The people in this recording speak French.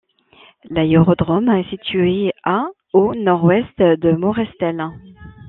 L'aérodrome est situé à au Nord-ouest de Morestel.